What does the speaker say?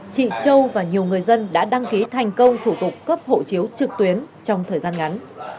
chị châu và nhiều người dân đã đăng ký thành công thủ tục cấp hộ chiếu trực tuyến trong thời gian ngắn